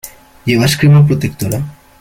¿Llevas crema protectora?